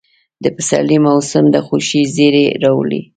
د پسرلي موسم د خوښۍ زېرى راوړي.